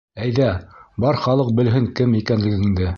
Әйҙә, бар халыҡ белһен кем икәнлегеңде.